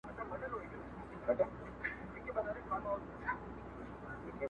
څه ښه وايي « بنده راسه د خدای خپل سه٫